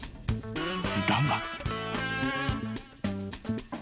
［だが］